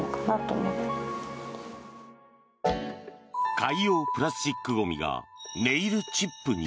海洋プラスチックゴミがネイルチップに。